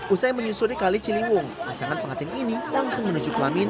usai menyusuri kaliciliwung pasangan pengantin ini langsung menuju kelaminan